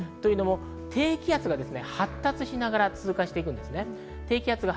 低気圧が発達しながら通過していきます。